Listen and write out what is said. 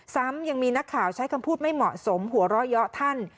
ซ้ำยังมีนักข่าวใช้คำพูดไม่เหมาะสมหัวเราะเยาะท่าน